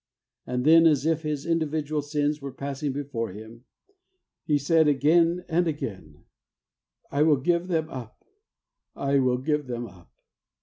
And then, as if his individual sins were passing before him, he said again and again, " I will give them up; I will give them up."